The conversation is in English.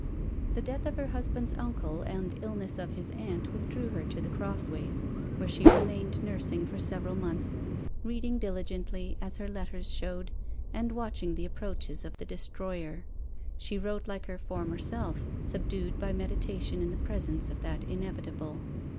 The death of her husband's uncle and illness of his aunt withdrew her to The Crossways, where she remained nursing for several months, reading diligently, as her letters showed, and watching the approaches of the destroyer. She wrote like her former self, subdued by meditation in the presence of that inevitable.